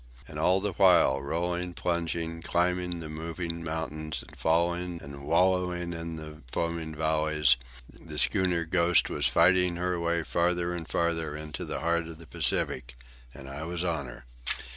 And all the while, rolling, plunging, climbing the moving mountains and falling and wallowing in the foaming valleys, the schooner Ghost was fighting her way farther and farther into the heart of the Pacific—and I was on her.